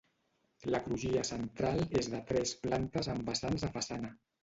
La crugia central és de tres plantes amb vessants a façana.